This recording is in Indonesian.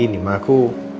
ini mah aku